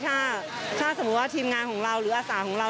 ถ้าสมมุติว่าทีมงานของเราหรืออาสาของเรา